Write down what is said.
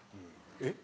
えっ？